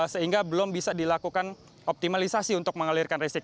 sehingga belum bisa dilakukan optimalisasi untuk mengalirkan listrik